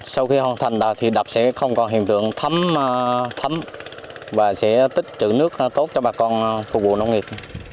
sau khi hoàn thành thì đập sẽ không còn hiện tượng thấm thấm và sẽ tích chữ nước tốt cho bà con phục vụ nông nghiệp